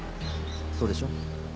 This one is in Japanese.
そうでしょ？